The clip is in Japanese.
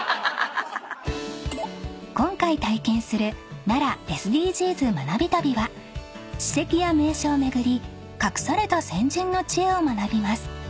［今回体験する奈良ＳＤＧｓ学び旅は史跡や名所を巡り隠された先人の知恵を学びます］